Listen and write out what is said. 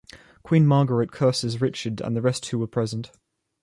Queen Margaret curses Richard and the rest who were present.